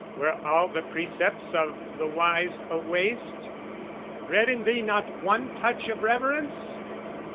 Were all the precepts of the wise a waste Bred in thee not one touch of reverence?